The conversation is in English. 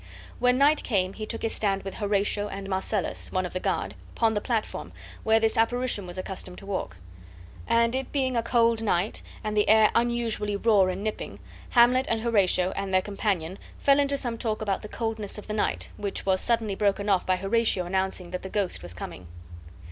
When night came he took his stand with Horatio, and Marcellus, one of the guard, upon the platform, where this apparition was accustomed to walk; and it being a cold night, and the air unusually raw and nipping, Hamlet and Horatio and their companion fell into some talk about the coldness of the night, which was suddenly broken off by Horatio announcing that the ghost was coming.